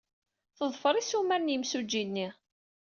Teḍfer issumar n yimsujji-nni.